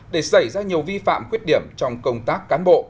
để xảy ra nhiều vi phạm khuyết điểm trong công tác cán bộ